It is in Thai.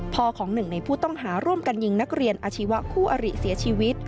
ของหนึ่งในผู้ต้องหาร่วมกันยิงนักเรียนอาชีวะคู่อริเสียชีวิต